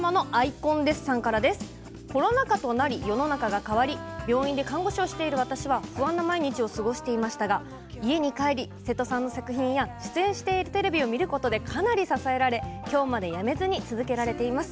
コロナ禍となり世の中が変わり病院で看護師をしている私は不安な毎日を過ごしていましたが家に帰り、瀬戸さんの作品や出演しているテレビを見ることでかなり支えられ、今日まで辞めずに続けられています。